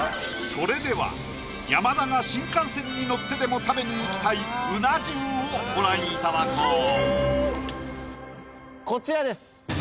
それでは山田が新幹線に乗ってでも食べに行きたいうな重をご覧いただこううわ！